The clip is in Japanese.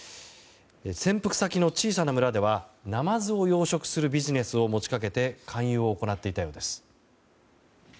潜伏先の小さな村ではナマズを養殖するビジネスを持ち掛けて勧誘を行っていたようです。